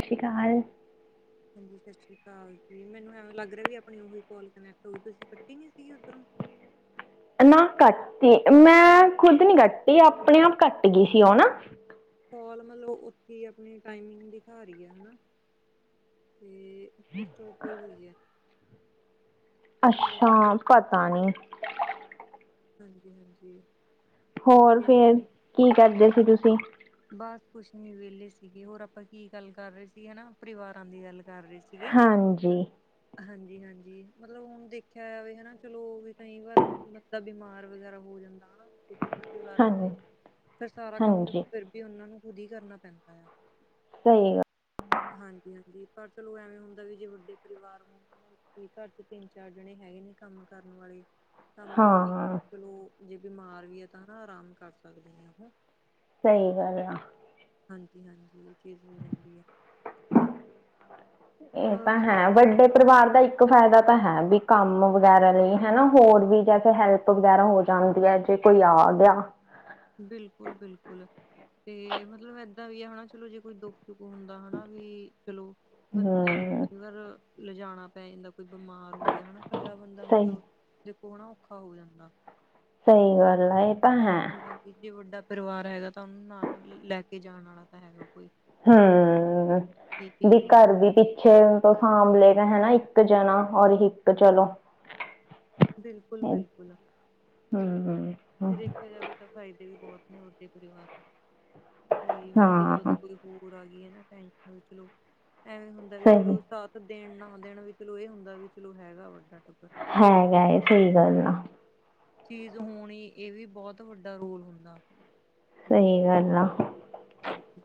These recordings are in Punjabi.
ਸਤਿ ਸ਼੍ਰੀ ਅਕਾਲ ਹਾਂਜੀ ਸਤਿ ਸ੍ਰੀ ਅਕਾਲ ਜੀ, ਮੈਨੂੰ ਐਵੇਂ ਲੱਗ ਰਿਹਾ ਵੀ ਆਪਣੀ ਉਹੀ ਕੋਲ ਕਨੈਕਟ ਹੋਈ ਤੁਸੀਂ ਕੱਟੀ ਨੀ ਸੀਗੀ ਉੱਧਰੋਂ ਨਾ ਕੱਟੀ, ਮੈਂ ਖੁੱਦ ਨੀ ਕੱਟੀ ਆਪਣੇ ਆਪ ਕੱਟ ਗਈ ਸੀ ਉਹ ਨਾ ਕੋਲ ਮਤਲਬ ਉੱਥੇ ਆਪਣੇ ਟਾਈਮਿੰਗ ਦਿਖਾ ਰਹੀ ਹੈ ਹਨਾ ਤੇ ਸਟੋਪ ਹੋ ਗਈ ਹੈ ਚਲੋ ਅੱਛਾ ਪਤਾ ਨੀ ਹਾਂਜੀ-ਹਾਂਜੀ ਹੋਰ ਫੇਰ, ਕੀ ਕਰਦੇ ਸੀ ਤੁਸੀਂ ਬਸ ਕੁੱਛ ਨ ਵੇਲੇ ਸੀਗੇ, ਹੋਰ ਆਪਾਂ ਕੀ ਗੱਲ ਕਰ ਰਹੇ ਸੀ ਹਨਾ, ਪਰਿਵਾਰਾਂ ਦੀ ਗੱਲ ਕਰ ਰਹੇ ਸੀ। ਹਾਂਜੀ। ਹਾਂਜੀ ਹਾਂਜੀ, ਮਤਲਬ ਹੁਣ ਦੇਖਿਆ ਜਾਵੇ ਹਨਾ, ਚਲੋ ਵੀ ਕਈ ਵਾਰ ਮਤ ਬਿਮਾਰ ਵਗੈਰਾ ਹੋ ਜਾਂਦਾ ਹਨਾ, ਤੇ ਛੋਟੇ ਪਰਿਵਾਰ ਹਾਂਜੀ ਹੁੰਦੇ ਨੇ ਫ਼ਿਰ ਸਾਰਾ ਕੰਮ ਹਾਂਜੀ ਦੇਖੋ ਪਰ ਫਿਰ ਉਹਨਾ ਨੂੰ ਖੁਦ ਹੀ ਕਰਨਾ ਪੈਂਦਾ ਆ। ਸਹੀ ਹੈ। ਹਾਂਜੀ ਹਾਂਜੀ, ਪਰ ਚਲੋ ਐਵੇਂ ਹੁੰਦਾ ਵੀ ਜੇ ਵੱਡੇ ਪਰਿਵਾਰ ਨੂੰ ਕੀ, ਘਰ ਚ ਤਿੰਨ ਚਾਰ ਜਣੇ ਹੈਹੀ ਨੇ ਕੰਮ ਕਰਨ ਵਾਲੇ, ਤਾਂ ਮਤਲਬ ਇੱਕ ਹਾਂ ਚਲੋ ਜੇ ਬਿਮਾਰ ਵੀ ਹੈ ਤਾਂ ਆਰਾਮ ਕਰ ਸਕਦੇ ਹ ਉਹੋ ਸਹੀ ਗੱਲ ਆ। ਹਾਂਜੀ ਹਾਂਜੀ, ਇਹ ਚੀਜ਼ ਹੋ ਜਾਂਦੀ ਹੈ। ਇਹ ਮਤਲਬ ਤਾਂ ਜੇ ਹੈ ਦੇਖਿਆ ਵੱਡੇ ਜਾਵੇ ਪਰਿਵਾਰ ਦਾ ਇੱਕ ਫਾਇਦਾ ਤਾਂ ਹੈ, ਵੀ ਕੰਮ ਵਗੈਰਾ ਲਈ ਹਨਾ ਹੋਰ ਵੀ ਜੈਥੇ ਹੈਲਪ ਵਗੈਰਾ ਹੋ ਜਾਂਦੀ ਹੈ। ਫੇਰ ਕੋਈ ਆ ਗਿਆ। ਬਿਲਕੁਲ-ਬਿਲਕੁਲ, ਤੇ ਮਤਲਬ ਏਦਾਂ ਵੀ ਆ ਹਨਾ ਚਲੋ ਜੇ ਕੋਈ ਦੋ ਦੁੱਖ ਹੁੰਦਾ ਹਨਾ ਵੀ ਚਲੋ ਹੂੰ ਬੰਦੇ ਨੂੰ ਕਈ ਵਾਰ ਲਿਜਾਉਣਾ ਪੈ ਜਾਂਦਾ। ਕੋਈ ਬਿਮਾਰ ਹੋ ਗਿਆ ਹਨਾ, ਕੱਲਾ ਬੰਦਾ ਸਹੀ ਮਤਲਬ ਦੇਖੋਨਾ ਔਖਾ ਹੋ ਜਾਂਦਾ। ਸਹੀ ਗੱਲ ਹੈ। ਤਾਂ ਕਿ ਜੇ ਵੱਡਾ ਪਰਿਵਾਰ ਹੈਗਾ ਤਾਂ ਉਹਨੂੰ ਨਾ ਨਾਲ ਲੈ ਕੇ ਜਾਣ ਵਾਲਾ ਤਾਂ ਹੈਗਾ। ਕੋਈ। ਹਾਂ ਕੀ ਵੀ ਚੀਜ਼ ਹੋ ਜਾ ਘਰ ਵੀ ਪਿੱ ਪਿੱਛੇ ਤੋਂ ਸਾਂਭਲੇਗਾ ਹੈਨਾ ਇੱਕ ਜਣਾ ਔਰ ਇੱਕ ਚਲੋ। ਬਿਲਕੁਲ-ਬਿਲਕੁਲ। ਹੁ-ਹੁ ਫ ਦੇਖਿਆ ਜਾਵੇ ਤਾਂ ਫ਼ਾਇਦੇ ਵੀ ਬਹੁਤ ਨੇ ਵੱਦੇ ਪਰਿਵਾਰ ਨੂੰ ਕੋਈ ਮੁਸੀਬਤ ਹਾਂ ਕੋਈ ਹੋਰ ਆ ਗਈ ਹੈ ਨਾ ਟਾਈ ਵੀ ਚਲੋ ਐਵੇਂ ਹੁੰਦਾ ਵੀ ਸਹੀ ਚਲੋ ਸਾਥ ਦੇਣ ਨਾ ਦੇਣ ਵੀ ਚਲੋ ਇਹ ਹੁੰਦਾ ਵੀ ਚਲੋ ਹੈਗਾ ਵੱਡਾ ਟੱਬ ਹੈਗਾ ਇਹ ਸਹੀ ਗੱਲ ਆ। ਚੀਜ਼ ਹੋਣੀ ਇਹ ਵੀ ਬਹੁਤ ਵੱਡਾ ਰੋਲ ਹੁੰਦਾ। ਸਹੀ ਗੱਲ ਆ। ਹਾਂਜੀ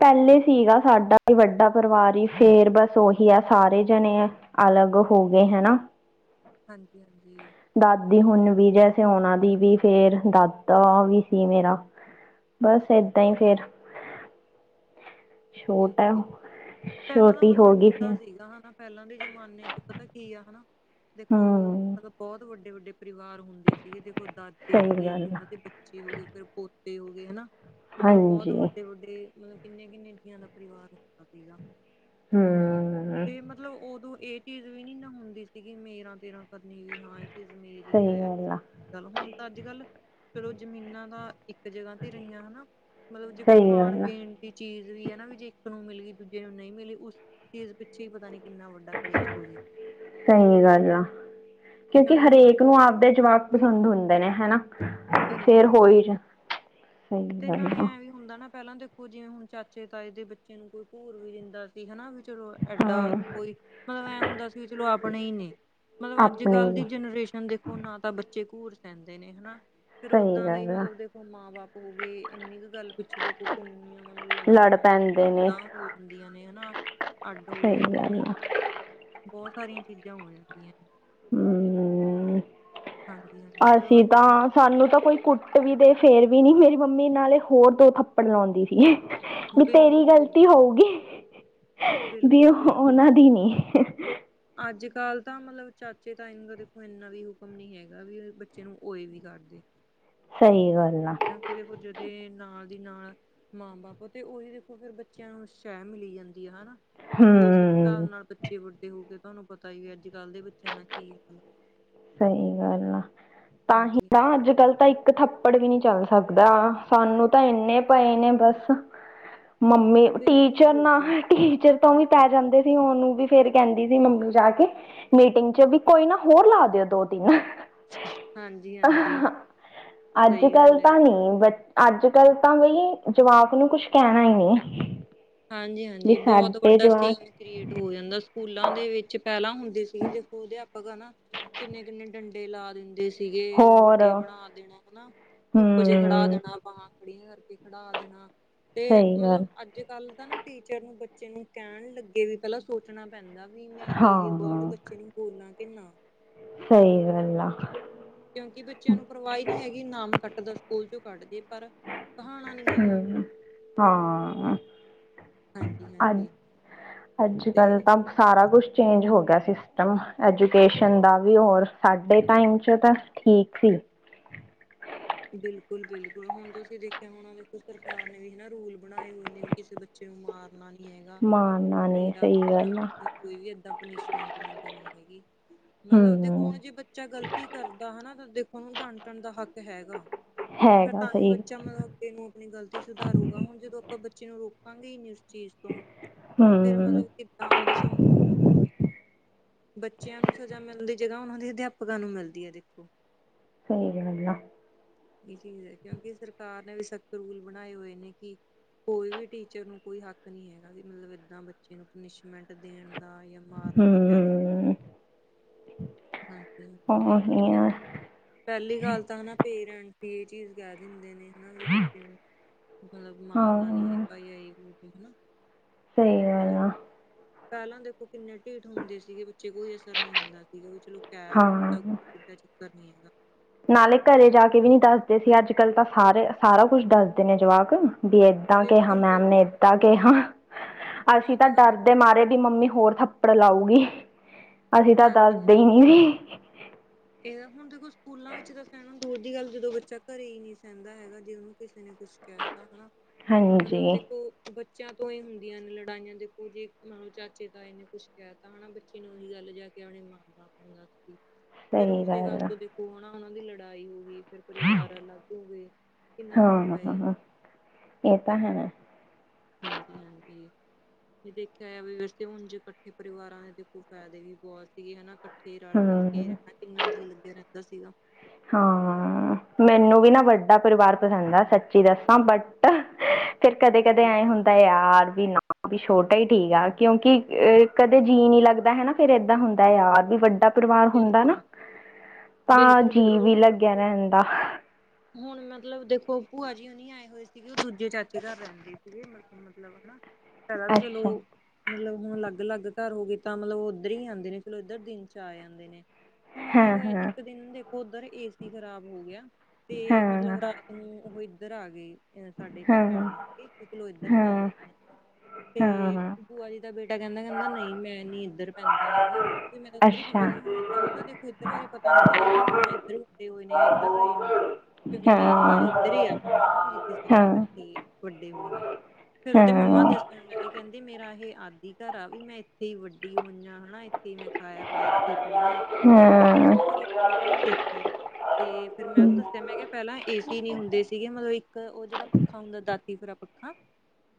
ਪਹਿਲੇ ਸੀਗਾ ਸਾਡਾ ਵੱਡਾ ਪਰਿਵਾਰ ਹੀ ਫੇਰ ਬਸ ਉਹੀ ਆ ਸਾਰੇ ਜਣੇ ਅਲੱਗ ਹੋ ਗਏ ਹਨਾ। ਹਾਂਜੀ-ਹਾਂਜੀ ਦਾਦੀ ਹੁਣ ਵੀ ਜੈ ਸੇ ਉਹਨਾ ਦੀ ਵੀ ਫੇਰ ਦਾਦਾ ਵੀ ਸੀ ਮੇਰਾ। ਬਸ ਏਦਾਂ ਹੀ ਫੇਰ। ਛੋਟਾ ਓਕੇ-ਓਕੇ। ਉਹ। ਪਹਿਲਾਂ ਦਾ ਮਤਲਬ ਹੁੰਦਾ ਸੀਗਾ ਹਨਾ, ਪਹਿਲਾਂ ਦੇ ਜ਼ਮਾਨੇ ਚ ਪਤਾ ਕੀ ਆ ਹਨਾ। ਦੇਖੋ ਹਮ ਮਤਲਬ ਬਹੁਤ ਵੱਡੇ-ਵੱਡੇ ਪਰਿਵਾਰ ਹੁੰਦੇ ਸੀਗੇ, ਦੇਖੋ ਦਾਦੇ ਹੋ ਸਹੀ ਗਏ ਗੱਲ ਅੱਗੇ ਆ ਉਹਨਾਂ ਦੇ ਬੱ ਚੇ ਹੋ ਗਏ ਫਿਰ ਪੋਤੇ ਹੋ ਗਏ ਹਨਾ ਮਤਲਬ ਬਹੁਤ ਹਾਂਜੀ ਵੱਡੇ-ਵੱਡੇ ਮਤਲਬ ਕਿੰਨੇ-ਕਿੰਨੇ [unintelligible] ਦਾ ਪਰਿਵਾਰ ਹੁੰਦਾ ਸੀਗਾ। ਹੁ। ਤੇ ਮਤਲਬ ਉਦੋਂ ਇਹ ਚੀਜ਼ ਵੀ ਨੀ ਨਾ ਹੁੰਦੀ ਸੀਗੀ ਮੇਰਾ ਤੇਰਾ। ਕਰਨੀ ਵੀ ਹਾਂ ਇਹ ਚੀਜ਼ ਮੇਰੀ ਸਹੀ ਐ ਇਹ ਚੀਜ਼ ਗੱਲ ਆ ਚੱਲ ਹੁਣ ਤਾਂ ਅੱਜ ਕੱਲ ਫਿਰ ਉਹ ਜ਼ਮੀਨਾਂ ਦਾ ਇੱਕ ਜਗ੍ਹਾ ਤੇ ਰਹੀਆਂ ਹਨਾ ਮਤਲਬ ਜੇ ਕੋਈ ਸਹੀ ਖਾਣ ਗੱਲ ਆ ਪੀਣ ਦੀ ਚੀਜ਼ ਵੀ ਹੈ ਨਾ ਵੀ ਜੇ ਇੱਕ ਨੂੰ ਮਿਲ ਗਈ ਦੂਜੇ ਨੂੰ ਨਹੀਂ ਮਿਲੀ ਉਸ ਚੀਜ਼ ਪਿੱ ਛੇ ਪਤਾ ਨੀ ਕਿੰਨਾ ਵੱਡਾ ਕਲੇਸ਼ ਹੋ ਜੇ। ਸਹੀ ਗੱਲ ਆ, ਕਿਉਂਕਿ ਹਰੇਕ ਨੂੰ ਆਪਦੇ ਜਵਾਕ ਪਸੰਦ ਹੁੰਦੇ ਨੇ ਹਨਾ, ਫੇਰ ਬਿਲਕੁਲ ਹੋ ਈ ਬਿਲਕੁਲ ਜਾ, ਸਹੀ ਤੇ ਗੱਲ ਨਾਲੇ ਆ। ਐਂ ਵੀ ਹੁੰਦਾ ਨਾ ਪਹਿਲਾਂ ਦੇਖੋ ਜਿਵੇਂ ਹੁਣ ਚਾਚੇ ਤਾਏ ਦੇ ਬੱਚੇ ਨੂੰ ਕੋਈ ਕੂਰ ਵੀ ਦਿੰਦਾ ਹਨਾ ਵੀ ਚਲੋ ਐਡਾ ਹਾਂ ਕੋਈ ਮਤਲਬ ਐ ਹੁੰਦਾ ਸੀ ਵੀ ਚਲੋ ਆਪਣੇ ਹੀ ਨੇ। ਮਤਲਬ ਅੱਜ ਆਪਣੇ ਹੀ ਕੱਲ ਨੇ ਦੀ ਜਨਰੇਸ਼ਨ ਦੇਖੋ ਨਾ ਤਾਂ ਬੱਚੇ ਘੂਰ ਸਹਿੰਦੇ ਨੇ ਹਨਾ। ਫੇਰ ਸਹੀ ਓਦਾਂ ਦਾ ਹੀ ਗੱਲ ਆ ਮਤਲਬ ਦੇਖੋ ਮਾਂ ਬਾਪ ਹੋ ਗਏ ਇੰਨੀ ਕੁ ਗੱਲ ਪਿੱਛੇ ਦੇਖੋ ਕਿੰਨੀਆਂ ਮਤਲਬ ਲੜ ਲੜਾਈਆਂ ਤੱਕ ਪੈਂਦੇ ਨੇ ਸੰਤਾਂ ਹੋ ਜਾਂਦੀਆਂ ਨੇ ਹਨਾ ਅੱਡ ਹੋ ਸਹੀ ਜਾਂਦੇ ਗੱਲ ਨੇ। ਆ ਬਹੁਤ ਸਾਰੀਆਂ ਚੀਜ਼ਾਂ ਹੋ ਜਾਂਦੀਆਂ। ਹਮ ਹਾਂਜੀ-ਹਾਂਜੀ ਮਤਲਬ ਅਸੀਂ ਅੱਜ ਤਾਂ ਕੱਲ ਸਾਨੂੰ ਤਾਂ ਕੋਈ ਕੁੱਟ ਵੀ ਤੇ ਫੇਰ ਵੀ ਨੀ ਮੇਰੀ ਮੰਮੀ ਨਾਲੇ ਹੋਰ ਦੋ ਥੱਪੜ ਲਾਉਂਦੀ ਸੀ। ਵੀ ਤੇਰੀ ਬਿਲਕੁਲ ਬਿਲਕੁਲ ਗਲਤੀ ਹੋਊਗੀ ਵੀ ਬਿਲਕੁਲ ਬਿਲਕੁਲ ਉਨਾਂ ਦੀ ਨੀ। ਅੱਜ ਕੱਲ੍ਹ ਤਾਂ ਮਤਲਬ ਚਾਚੇ ਤਾਏ ਨੂੰ ਦੇਖੋ ਇੰਨਾ ਵੀ ਹੁਕਮ ਨਹੀਂ ਹੈਗਾ ਵੀ ਬੱਚੇ ਨੂੰ ਏ ਵੀ ਕਰਦੇ। ਸਹੀ ਗੱਲ ਆ। ਕਿਉਂਕਿ ਦੇਖੋ ਜਦੇ ਨਾਲ ਦੀ ਨਾਲ ਮਾਂ ਬਾਪ ਤੇ ਉਹੀ ਦੇਖੋ ਫਿਰ ਬੱਚਿਆਂ ਨੂੰ ਸ਼ਹਿ ਮਿਲੀ ਜਾਂਦੀ ਆ ਹਨਾ ਫਿਰ ਓਸ ਹਿਸਾਬ ਹਮ ਨਾਲ ਬੱਚੇ ਵੱਡੇ ਹੋ ਕੇ ਤੁਹਾਨੂੰ ਪਤਾ ਹੀ ਵੀ ਅੱਜ ਕੱਲ੍ਹ ਦੇ ਬੱਚਿਆਂ ਦਾ ਕੀ ਸਹੀ ਗੱਲ ਆ, ਤਾਂ ਹੀ ਹਾਂਜੀ ਨਾ ਅੱਜ ਕੱਲ ਤਾਂ ਇੱਕ ਥੱਪੜ ਵੀ ਨਹੀਂ ਚੱਲ ਸਕਦਾ ਸਾਨੂੰ ਤਾਂ ਇੰਨੇ ਪਏ ਨੇ ਬਸ। ਮੰਮੀ ਬਿਲਕੁਲ ਟੀਚਰ ਨਾ ਬਿਲਕੁਲ ਟੀਚਰ ਤੋਂ ਵੀ ਪੈ ਜਾਂਦੇ ਸੀ ਉਹਨੂੰ ਵੀ ਫੇਰ ਕਹਿੰਦੀ ਸੀ ਮੰਮੀ ਜਾ ਕੇ ਮੀਟਿੰਗ ਚ ਵੀ ਕੋਈ ਨਾ ਹੋਰ ਲਾ ਦਿਓ ਦੋ-ਤਿੰਨ। ਹਾਂਜੀ ਹਾਂਜੀ ਸਹੀ ਅੱਜਕੱਲ ਗੱਲ ਹੈ ਤਾਂ ਨੀ ਬ ਅੱਜਕੱਲ ਤਾਂ ਬਈ ਜਵਾਕ ਨੂੰ ਕੁਛ ਕਹਿਣਾ ਹੀ ਨਹੀਂ। ਵੀ ਹਾਂਜੀ-ਹਾਂਜੀ ਬਹੁਤ ਸਾਡੇ ਵੱਡਾ ਜਵਾਕ ਸੀਮ ਕ੍ਰੀਏਟ ਹੋ ਜਾਂਦਾ ਸਕੂਲਾਂ ਦੇ ਵਿੱਚ ਪਹਿਲਾਂ ਹੁੰਦੇ ਸੀਗੇ ਦੇਖੋ ਅਧਿਆਪਕ ਹਨਾ ਕਿੰਨੇ-ਕਿੰਨੇ ਡੰਡੇ ਲਾ ਦਿੰਦੇ ਸੀ। ਸੀਗੇ ਹੋਰ ਮੁਰਗੇ ਬਣਾ ਦੇਣਾ ਹਨਾ, ਧੁੱਪ ਚ ਖੜਾ ਹਮ ਦੇਣਾ ਬਾਹਾਂ ਖੜੀਆਂ ਕਰਕੇ ਖੜਾ ਦੇਣਾ, ਤੇ ਸਹੀ ਗੱਲ ਮਤਲਬ ਅੱਜਕੱਲ ਨਾ ਟੀਚਰ ਨੂੰ ਬੱਚੇ ਨੂੰ ਕਹਿਣ ਲੱਗੇ ਵੀ ਪਹਿਲਾਂ ਸੋਚਣਾ ਪੈਂਦਾ ਵੀ ਮੈਂ ਇਹ ਵਰਡ ਹਾਂ ਬੱਚੇ ਨੂੰ ਬੋਲਾਂ ਕਿ ਨਾ। ਸਹੀ ਗੱਲ ਆ। ਕਿਉਂਕਿ ਬੱਚਿਆਂ ਨੂੰ ਪਰਵਾਹ ਈ ਨਹੀਂ ਹੈਗੀ ਨਾਮ ਕੱਟਦਾ ਸਕੂਲ ਚੋਂ ਕੱਟ ਦੇ ਪਰ ਕਹਾਣਾ ਨੀ ਹੈਗਾ ਹੂੰ, ਹਾਂ ਅੱਜ, ਹਾਂਜੀ-ਹਾਂਜੀ ਅੱਜ ਤੇ ਕੱਲ ਤਾਂ ਸਾਰਾ ਕੁਛ ਚੇਂਜ ਹੋ ਗਿਆ ਸਿਸਟਮ, ਐਜੂਕੇਸ਼ਨ ਦਾ ਵੀ ਹੁਣ ਸਾਡੇ ਟਾਈਮ 'ਚ ਤਾਂ ਠੀਕ ਸੀ। ਬਿਲਕੁਲ-ਬਿਲਕੁਲ ਹੁਣ ਤੁਸੀਂ ਦੇਖਿਆ ਹੋਣਾ ਦੇਖੋ ਸਰਕਾਰ ਨੇ ਵੀ ਹਨਾ ਰੂਲ ਬਣਾਏ ਹੋਏ ਨੇ ਵੀ ਕਿਸੇ ਬੱਚੇ ਨੂੰ ਮਾਰ ਮਾਰਨਾ ਨੀ ਹੈਗਾ। ਮਾਰਨਾ ਨੀ ਸਹੀ ਗੱਲ ਆ [unintelligible] ਕੋਈ ਵੀ ਏਦਾਂ ਪਨਿਸ਼ਮੈਂਟ ਨਹੀਂ ਦੇਣੀ ਹੈਗੀ। ਮਤਲਬ ਦੇਖੋ ਹਮ ਹੁਣ ਜੇ ਬੱਚਾ ਗ਼ਲਤੀ ਕਰਦਾ ਹਨਾ ਤਾਂ ਦੇਖੋ ਡਾਂਟਣ ਦਾ ਹੱਕ ਹੈਗਾ। ਫਿਰ ਹੈਗਾ ਤਾਂ ਹੀ ਸਹੀ ਬੱਚਾ ਮਤਲਬ ਬੱਚੇ ਨੂੰ ਆਪਣੀ ਗਲਤੀ ਸੁਧਾਰੂਗਾ ਹੁਣ ਜਦੋਂ ਆਪਾਂ ਬੱਚੇ ਨੂੰ ਰੋਕਾਂਗੇ ਈ ਨੀ ਚੀਜ਼ ਤੋਂ, ਫਿਰ ਹਮ ਮਤਲਬ ਕਿੱਦਾਂ ਉਹਦੇ ਚ ਇੰਪਰੂਵਮੈਂਟ ਬੱਚਿਆਂ ਨੂੰ ਸਜ਼ਾ ਮਿਲਦੀ ਜਗ੍ਹਾ ਉਹਨਾਂ ਦੇ ਅਧਿਆਪਕਾਂ ਨੂੰ ਮਿਲਦੀ ਹੈ ਦੇਖੋ। ਸਹੀ ਗੱਲ ਆ। ਇਹ ਚੀਜ਼ ਹੈ ਕਿਉਂਕਿ ਸਰਕਾਰ ਨੇ ਵੀ ਸਖਤ ਰੂਲ ਬਣਾਏ ਹੋਏ ਨੇ ਕਿ ਕੋਈ ਵੀ ਟੀਚਰ ਨੂੰ ਕੋਈ ਹੱਕ ਨਹੀਂ ਹੈਗਾ ਵੀ ਮਤਲਬ ਏਦਾਂ ਬੱਚੇ ਨੂੰ ਪਨਿਸ਼ਮੈਂਟ ਦੇਣ ਦਾ ਜਾਂ ਮਾਰਨ ਦਾ ਕਹਿ ਲੋ। ਹਮ ਹਾਂਜੀ-ਹਾਂਜੀ ਉਹੀ ਤੇ ਆ ਪਹਿਲੀ ਗੱਲ ਤਾਂ ਹਨਾ ਪੇਰੈਂਟ ਹੀ ਇਹ ਚੀਜ਼ ਕਹਿ ਦਿੰਦੇ ਨੇ ਹਨਾ ਵੀ ਬੱਚੇ ਨੂੰ ਮਤਲਬ ਮਾਰਨਾ ਨੀ ਹਾਂ ਹੈਗਾ ਜਾਂ ਜੇ ਬੋ ਵੀ ਹਨਾ, ਸਹੀ ਗੱਲ ਮਤਲਬ ਆ ਪਹਿਲਾਂ ਦੇਖੋ ਕਿੰਨੇ ਢੀਠ ਹੁੰਦੇ ਸੀਗੇ ਬੱਚੇ ਕੋਈ ਅਸਰ ਨਹੀਂ ਹੁੰਦਾ ਸੀਗਾ ਵੀ ਚਲੋ ਕਹਿ ਵੀ ਹਾਂ [unintelligible] ਚੱਕਰ ਨਹੀਂ ਹੈਗਾ। ਨਾਲੇ ਘਰੇ ਜਾ ਕੇ ਵੀ ਨੀ ਦੱਸਦੇ ਸੀ ਅੱਜ ਕੱਲ ਤਾਂ ਸਾਰੇ ਸਾਰਾ ਕੁਛ ਦੱਸਦੇ ਨੇ ਜਵਾਕ। ਵੀ ਏਦਾਂ ਕਿਹਾ ਬਿਲਕੁਲ ਮੈਮ ਨੇ ਬਿਲਕੁਲ ਏਦਾਂ ਕਿਹਾ। ਅਸੀਂ ਉਹ ਤਾਂ ਗੱਲ ਸਹੀ। ਡਰਦੇ ਮਾਰੇ ਵੀ ਮੰਮੀ ਹੋਰ ਥੱਪ ਪੜ ਲਾਉਗੀ। ਅਸੀਂ ਤਾਂ ਹਾਂਜੀ ਦੱਸਦੇ ਹੀ ਹਾਂਜੀ ਨੀ ਸੀ। ਇਹ ਹੁਣ ਦੇਖੋ ਸਕੂਲਾਂ ਵਿੱਚ ਤਾਂ ਸਹਿਣਾ ਦੂਰ ਦੀ ਗੱਲ ਜਦੋਂ ਬੱਚਾ ਘਰੇ ਹੀ ਨਹੀਂ ਸਹਿਿੰਦਾ ਹੈਗਾ ਜੇ ਉਹਨੂੰ ਕਿਸੇ ਨੇ ਕੁਛ ਕਹਿ ਤਾ ਹਨਾ, ਮਤਲਬ ਹਾਂਜੀ ਦੇਖੋ ਬੱਚਿਆਂ ਤੋਂ ਹੀ ਹੁੰਦੀਆਂ ਨੇ ਲੜਾਈਆਂ ਦੇਖੋ ਜੇ ਮਤਲਬ ਚਾਚੇ, ਤਾਏ ਨੇ ਕੁੱਛ ਕਹਿ ਤਾ ਹਨਾਂ ਬੱਚੇ ਨੂੰ ਉਹੀ ਗੱਲ ਜਾ ਕੇ ਆਪਣੇ ਮਾਂ-ਬਾਪ ਨੂੰ ਦੱਸਤੀ। ਫੇਰ ਸਹੀ ਉਸੇ ਗੱਲ ਆ। ਤੋਂ ਦੇਖੋ ਹਨਾ ਉਹਨਾਂ ਦੀ ਲੜਾਈ ਹੋ ਗਈ। ਫਿਰ ਪਰਿਵਾਰ ਅਲੱਗ ਹੋ ਗਏ। ਕਿੰਨਾ ਫਰਕ ਪੈ ਜਾਂਦਾ। ਹਾਂ ਇਹ ਤਾਂ ਹੈ। ਹਾਂਜੀ-ਹਾਂਜੀ। ਜੇ ਦੇਖਿਆ ਜਾਵੇ ਵੈਸੇ ਤੇ ਹੁਣ ਜੇ ਇਕੱਠੇ ਪਰਿਵਾਰਾਂ ਦੇਖੋ ਫਾਇਦੇ ਵੀ ਬਹੁਤ ਸੀਗੇ ਹਨਾ ਇਕੱਠੇ ਰਲ-ਮਿਲ ਕੇ ਹਮ ਰਹਿਣਾ ਕਿੰਨਾ ਜੀਅ ਲੱਗਿਆ ਰਹਿੰਦਾ ਸੀਗਾ। ਹਾਂ। ਮੈਨੂੰ ਵੀ ਨਾ ਵੱਡਾ ਪਰਿਵਾਰ ਪਸੰਦ ਐ। ਸੱਚੀ ਦੱਸਾਂ ਬਟ । ਫਿਰ ਕਦੇ-ਕਦੇ ਏਂ ਹੁੰ। ਦਾ ਯਾਰ ਵੀ ਨਾ ਵੀ ਛੋਟਾ ਹੀ ਠੀਕ ਆ। ਕਿਉਂਕਿ? ਕਦੇ ਜੀਅ ਨੀ ਲੱਗਦਾ ਹਨਾ। ਫਿਰ ਏਦਾਂ ਹੁੰਦਾ ਯਾਰ ਵੀ ਵੱਡਾ ਪਰਿਵਾਰ ਹੁੰਦਾ ਨਾ। ਬਿਲਕੁਲ ਤਾਂ ਬਿਲਕੁਲ ਜੀਅ ਵੀ ਬਿਲਕੁਲ ਲੱਗਿਆ ਰਹਂਦਾ। ਹੁਣ ਮਤਲਬ ਦੇਖੋ ਭੂਆ ਜੀ। ਉਹਨੀ ਆਏ ਹੋਏ ਸੀਗੇ ਉਹ ਦੂਜੇ ਚਾਚੇ ਘਰ ਰਹਿੰਦੇ ਸੀਗੇ। ਮਤਲਬ ਹਨਾ। ਪਹਿਲਾਂ ਤਾਂ ਚਲੋ। ਅੱਛਾ ਮਤਲਬ ਹੁਣ ਅਲੱਗ-ਅਲੱਗ ਘਰ ਹੋ ਗਏ ਤਾਂ। ਮਤਲਬ ਉਹ ਉੱਧਰ ਹੀ ਆਉਂਦੇ ਨੇ ਚਲੋ ਇੱਧਰ ਦਿਨ ਚ ਚ ਆ ਜਾਂਦੇ ਨੇ। ਹੁਣ ਕੀ ਹਾਂ ਹੋਇਆ। ਹਾਂ ਇੱਕ ਦਿਨ ਦੇਖੋ ਓਧਰ ਏ ਸੀ ਖ਼ਰਾਬ ਹੋ ਗਿਆ। ਤੇ ਮਤਲਬ ਹਾਂ ਰਾਤ ਹੁਨ ਉਹ ਇੱਧਰ ਆ ਗਏ। ਸਾਡੇ ਘਰ ਪੈਣ ਹਾਂ ਆ। ਇੱਕ ਚਲੋ ਇੱਧਰ ਹਾਂ ਪੈ ਜਾਂਦੇ। ਤੇ ਹਾਂ ਭੂਆ ਜੀ। ਦਾ ਬੇਟਾ ਕਹਿੰਦਾ-ਕਹਿੰਦਾ ਨਹੀਂ ਮੈਂ ਨੀ ਇੱਧਰ ਪੈਂਦਾ ਹੈਗਾ। ਤੇ ਮੈਂ ਤਾਂ ਉੱਧਰ ਹੀ ਅੱਛਾ ਪਾਵਾਂਗੀ। ਹੁਣ ਉਹਨੂੰ ਤਾਂ ਦੇਖੋ ਇੱਧਰ ਬਾਰੇ ਪਤਾ ਨੀ ਵੀ। ਉਹਦੇ ਮੁਹ ਇਧਰ ਵੱਡੇ ਹੋਏ ਨੇ, ਇੱਧਰ ਰਹੇ ਨੇ। ਕਿਉਂਕਿ ਹਾਂ ਮੇਨ ਘਰ ਇੱਧਰ ਹੀ ਆ। ਜਿੱਥੇ ਸਾਰੇ ਇਕੱਠੇ ਵੱਡੇ ਹੋਏ ਨੇ। ਫੇਰ ਉਹਦੇ ਮੰਮਾ ਹਾਂ ਦੱਸਣ ਲੱਗੇ ਕਹਿੰਦੇ। ਮੇਰਾ ਇਹ ਆਦਿ ਘਰ ਆ ਵੀ ਮੈਂ ਇੱਥੇ ਹੀ ਵੱਡੀ ਹੋਈ ਹਨਾ। ਇੱਥੇ ਹੀ ਮੈਂ ਖਾਇਆ ਵ ਇੱਥੇ ਪੜੀਆਂ। ਹਾਂ। ਫਿਰ ਉਹ ਹੂਣ ਤੇ ਨਹੀਂ ਦੇਖੇ ਤੇ ਫੇਰ ਮੈਂ ਹਾਂ ਉਹਨੂੰ ਦੱਸਿਆ। ਮੈਂ ਕਿਹਾ ਪਹਿਲਾਂ ਏ ਸੀ ਨੀ ਹੁੰਦੇ ਸੀਗੇ। ਮਤਲਬ ਇੱਕ ਉਹ ਜਿਹੜਾ ਪੱਖਾ ਹੁੰਦਾ ਦਾਦੀ ਫੁਰਾ ਪੱਖਾ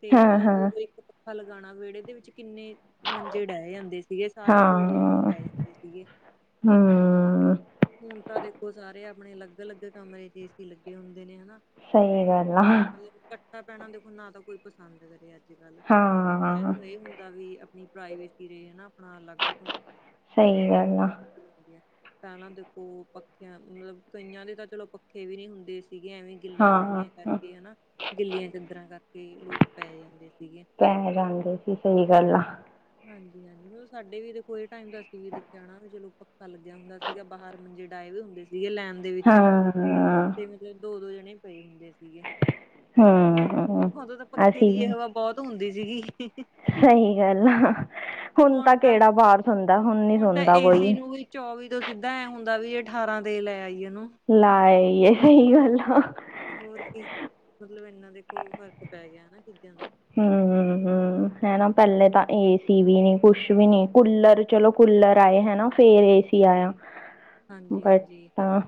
ਤੇ ਹਾਂ ਮਤਲਬ। ਹਾਂ ਉਹ ਇੱਕ ਪੱੱਖਾ ਲਗਾਉਣਾ ਵਿਹੜੇ ਦੇ ਵਿੱਚ ਕਿੰਨੇ ਮੰਜੇ ਡਹਿ ਜਾਂਦੇ ਸੀਗੇ ਸਾਰੇ ਦੋ-ਦੋ ਜਣੇ ਹਾਂ ਪੈ ਜਾਂਦੇ ਸੀਗੇ। ਹਮ ਹੁਣ ਤਾਂ ਦੇਖੋ ਸਾਰੇ ਆਪਣੇ ਅਲੱਗ-ਅਲੱਗ ਕਮਰੇ ਚ ਏ ਸੀ। ਲੱਗੇ ਹੁੰਦੇ ਨੇ ਹਨਾ ਸਹੀ ਗੱਲ ਆ। ਕੱਠਾ ਬੈਣਾ ਦੇਖੋ ਨਾ। ਤਾਂ ਕੋਈ ਪਸੰਦ ਕਰੇ ਅੱਜ ਕੱਲ। ਪਰ ਹਾਂ ਐਨੁ ਇਹ ਹੁੰਦਾ ਵੀ। ਵੀ। ਪ੍ਰਾਈਵੇਸੀ ਰਹੇ ਹਨਾ। ਆਪਣਾ ਅਲੱਗ ਤੋਂ। ਸਹੀ ਗੱਲ ਆ। [unintelligible] ਪਹਿਲਾਂ ਦੇਖੋ ਪੱਖੇ, ਮਤਲਬ ਕਈਆਂ ਦੇ ਤਾਂ ਚਲੋ ਪੱਖੇ ਵੀ ਨਹੀਂ ਹੁੰਦੇ ਸੀਗੇ ਐਵੇਂ। ਗਿੱਲੀਆਂ ਹਾਂ ਚੁੰਨੀਆਂ ਕਰਕੇ ਹਨਾ। ਗਿੱਲੀਆਂ ਚਾਦਰਾਂ ਕਰਕੇ ਲੋਕ ਪੈ ਜਾਂਦੇ ਸੀਗੇ। ਪੈ [unintelligible] ਸੀ ਸਹੀ ਗੱਲ ਆ। ਹਾਂਜੀ-ਹਾਂਜੀ ਮਤਲਬ। ਸਾਡੇ ਵੀ ਦੇਖੋ ਇਹ ਟਾਈਮ ਤੇ ਅਸੀਂ ਵੀ ਦੇਖਆ ਹੋਣਾ ਵੀ ਚਲੋ ਪੱਖਾ ਲੱਗਿਆ ਹੁੰਦਾ। ਸੀਗਾ ਬਾਹਰ ਮੰਜੇ ਡਾਏ ਵੀ ਹੁੰਦੇ ਸੀਗੇ ਲੈਣ। ਦੇ ਵਿੱਚ। ਹਾਂ ਤੇ ਮਤਲਬ ਦੋ-ਦੋ ਜਣੇ ਪਏ ਹੁੰਦੇ ਸੀਗੇ। ਹਮ ਉਦੋਂ ਤਾਂ ਪੱਖੇ ਅਸੀਂ ਦੀ ਵੀ ਹਵਾ ਬਹੁਤ ਹੁੰਦੀ ਸੀਗੀ। ਸਹੀ ਗੱਲ ਆ। ਹੁਣ ਤਾਂ ਕਿਹੜਾ ਬਾਹਰ ਸੋਂਦਾ ਹੁਣ ਨੀ ਤਾਂ ਸੋਂਦਾ ਏਸੀ ਕੋਈ। ਨੂੰ ਵੀ ਚੌਵੀ ਤੋਂ ਸਿੱਧਾ ਐ ਹੁੰਦਾ ਵੀੇ। ਅਠਾਰਾਂ ਤੇ ਲੈ ਆਈ ਇਹਨੂੰ ਲਾਏ ਸਹੀ ਗੱਲ ਆ। ਹੋਰ ਕੀ ਮਤਲਬ। ਇਹਨਾਂ ਦੇ ਕੋ ਫ਼ਰਕ ਪੈ ਗਿਆ ਹਨਾ ਚੀਜ਼ਾਂ ਦਾ। ਹਮ-ਹਮ ਹੈ ਨਾ। ਪਹਿਲੇ ਤਾਂ ਏਸੀ ਵੀ ਨੀ ਕੁਛ ਵੀ ਨੀ ਕੂਲਰ ਚਲੋ ਕੂਲਰ ਆਏ ਹਨਾ ਫੇਰ ਏ ਸੀ ਆਇਆ। ਬਟ ਹਾਂਜੀ-ਹਾਂਜੀ। ਤਾਂ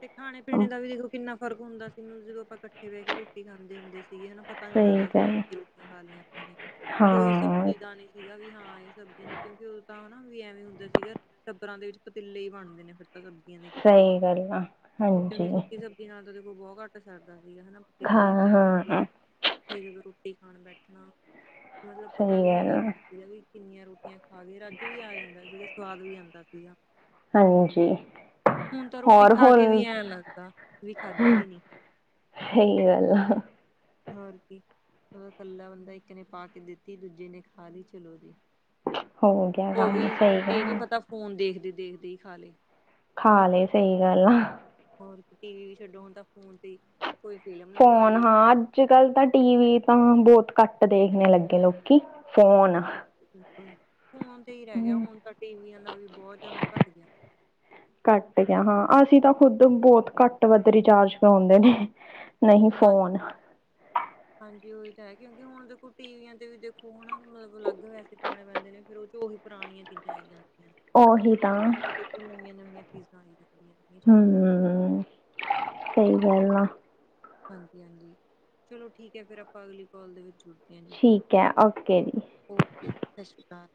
ਤੇ ਖਾਣੇ - ਪੀਣੇ ਦਾ ਵੀ ਦੇਖੋ ਕਿੰਨਾ ਫ਼ਰਕ ਹੁੰਦਾ ਸੀ। ਮਨੂੰ ਜਦੋਂ ਆਪਾਂ ਇਕੱਠੇ ਬਹਿ ਕੇ ਰੋਟੀ ਖਾਂਦੇ ਹੁੰਦੇ ਸੀਗੇ ਹਨਾ। ਤੁਹਾਨ ਸਹੀ ਲੱਗਦਾ ਸੀ ਕਿ ਗੱਲ ਰੋਟੀਆਂ ਖਾ ਲਈਆਂ ਆਪਾਂ ਨੇ। ਕੋਈ ਹਾਂ ਸਬਜ਼ੀ ਦਾ ਨੀ। ਸੀਗਾ ਵੀ ਹਾਂ ਇਹ ਸਬਜ਼ੀ ਨੀ। ਕਿਉਂਕਿ ਉਦੋਂ ਤਾਂ ਹਨਾ ਵੀ ਐਵੇਂ ਹੁੰਦਾ ਸੀਗਾ। ਟੱਬਰਾਂ ਦੇ ਵਿੱਚ ਪਤੀਲੇ ਹੀ ਬਣਦੇ ਨੇ ਫਿਰ। ਸਬਜ਼ੀਆਂ ਨੇ ਇਕੱਠੇ। [inaudible] ਕਿਉਂਕਿ ਸੁੱਕੀ ਸਬਜ਼ੀ ਨਾਲ ਤਾਂ ਦੇਖੋ ਬਹੁਤ ਘੱਟ ਸਰਦਾ ਸੀਗਾ ਹਨਾ। ਪਤੀਲੇ ਹਾਂ ਜਾ ਕੇ ਮਤਲਬ। ਹਾਂ ਇਕੱਠੇ ਜਦੋਂ ਰੋਟੀ ਖਾਣ ਬੈਠਣਾ ਮਤਲਬ ਪਤਾ ਸਹੀ ਵੀ ਨੀ ਗੱਲ ਲੱਗ ਆ ਸਕਦੀ ਵੀ ਕਿੰਨੀਆਂ ਰੋਟੀਆਂ। ਖਾਕੇ ਰੱਜ ਵੀ ਆ ਜਾਂਦਾ ਸੀਗਾ ਸਵਾਦ ਵੀ ਆਉਂਦਾ ਸੀਗਾ। ਹਾਂਜੀ ਹੋਰ। ਖਾਕੇ ਵੀ ਹੁਣ ਐਂ ਲੱਗਦਾ, ਵੀ ਖਾਧੀ ਨੀ। ਇਹੀ ਗੱਲ ਆ। ਹੋਰ ਕੀ ਉਹਦਾ ਇਕੱਲਾ ਬੰਦਾ ਇੱਕ ਨੇ ਪਾ ਕੇ ਦਿੱਤੀ ਦੂਜੇ ਨੇ ਖਾ ਲਈ ਚਲੋ ਜੀ। ਹੋ ਗਿਆ ਕੰਮ ਸਹੀ। ਫ਼ੋਨ ਦੇਖਦੇ-ਦੇਖਦੇ ਹੀ ਖਾ ਲਏ। ਖਾ ਲਏ ਸਹੀ ਗੱਲ ਆ। ਹੋਰ ਟੀ ਵੀ ਛੱਡੋ ਹੂਣਤਾ ਫੋਨ ਤੇ। ਕੋਈ ਫੀਲਮ। ਫੋਨ ਹਾਂ ਅੱਜ ਕੱਲ ਤਾਂ ਟੀ ਵੀ ਤਾਂ ਬਹੁਤ ਘੱਟ ਦੇਖਣੇ ਲੱਗੇ ਲੋਕੀ। ਫੋਨ। ਬਿਲਕੁਲ ਫੋਨ ਤੇ ਹੀ ਰਹਿ ਗਿਆ ਹਮ ਹੁਣ ਤਾਂ ਟੀਵੀਆਂ ਦਾ ਵੀ ਬਹੁਤ ਜਿਆਦਾ ਘੱਟ ਗਿਆ। ਘੱਟ ਗਿਆ ਹਾਂ ਅਸੀਂ ਤਾਂ ਖੁੱਦ ਬਹੁਤ ਘੱਟ ਵੱਧ ਰਿਚਾਰਜ ਕਰਾਉਂਦੇ ਨੇ। ਨਹੀਂ ਹਾਂਜੀ ਫੋਨ। ਹਾਂਜੀ ਉਹੀ ਤਾਂ ਹੈ ਕਿਉਂਕਿ ਹੁਣ ਦੇਖੋ ਟੀਵੀਆਂ ਤੇ ਵੀ ਦੇਖੋ ਹਨਾ ਮਤਲਬ ਅਲੱਗ ਪੇਸੇ ਪੁਉਣੇ ਬੰਦੇ ਨੇ ਫੇਰ ਉਹ ਚ ਉਹੀ। ਪੁਰਾਣੀਆਂ ਚੀਜ਼ਾਂ ਆਈ ਜਾਂਦੀਆਂ ਹਨ, ਉਹੀ ਤਾਂ ਨਾ ਕਿ ਦੇਖੋ ਨਵੀਆਂ-ਨਵੀਆਂ ਚੀਜ਼ਾਂ ਆਈ ਜਾਂਦੀਆਂ ਨੇ। ਇਹ ਚੀਜ਼ ਹੋ ਗਈ। ਹੂ ਸਹੀ ਗੱਲ ਆ। ਹਾਂਜੀ ਹਾਂਜੀ ਚਲੋ ਠੀਕ ਏ, ਫਿਰ ਆਪਾਂ ਅਗਲੀ ਕੋਲ ਦੇ ਵਿੱਚ ਜੁੜ। ਠੀਕ ਐ ਓਕੇ ਜੀ। ਓਕੇ, ਸਤਿ ਸ੍ਰੀ ਅਕਾਲ।